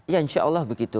ya insya allah begitu